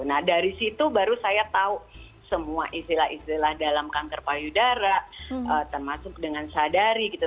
nah dari situ baru saya tahu semua istilah istilah dalam kanker payudara termasuk dengan sadari gitu